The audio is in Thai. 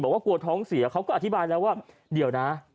บอกว่ากลัวท้องเสียเขาก็อธิบายแล้วว่าเดี๋ยวนะ